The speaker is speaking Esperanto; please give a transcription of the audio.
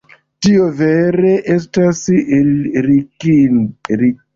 Tio vere estas ridinda!